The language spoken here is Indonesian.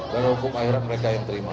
dan hukum akhirat mereka yang terima